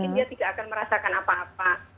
dia tidak akan merasakan apa apa